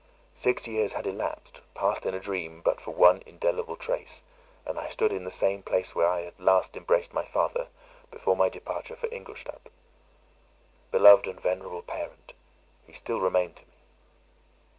Six years had elapsed, passed in a dream but for one indelible trace, and I stood in the same place where I had last embraced my father before my departure for Ingolstadt. Beloved and venerable parent! He still remained to me.